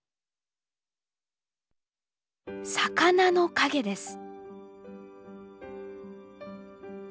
魚の影です。